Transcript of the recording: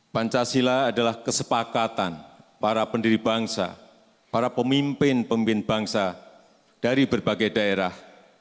pancasila adalah kesepakatan para pendiri bangsa para pemimpin pemimpin bangsa dari berbagai daerah